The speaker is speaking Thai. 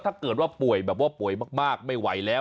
ถ้าเกิดว่าป่วยแบบว่าป่วยมากไม่ไหวแล้ว